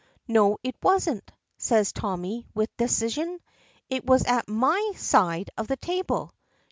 "No, it wasn't," says Tommy with decision, "it was at my side of the table.